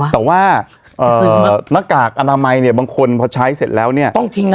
แต่ว่าหน้ากากอนามัยเนี่ยบางคนพอใช้เสร็จแล้วเนี่ย